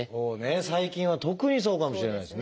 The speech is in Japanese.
最近は特にそうかもしれないですね。